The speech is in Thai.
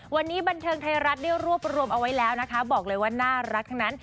วันนี้บันเทิงไทยรัฐได้รวบรวมเอาไว้แล้วนะคะบอกเลยว่าน่ารักทั้งนั้น